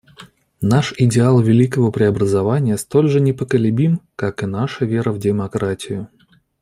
Наш идеал великого преобразования столь же непоколебим, как и наша вера в демократию.